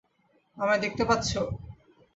আমায় দেখতে পাচ্ছ?